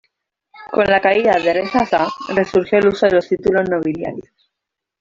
Con la caída de Reza Shah, resurgió el uso de los títulos nobiliarios.